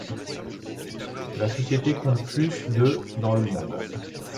La société compte plus de dans le monde.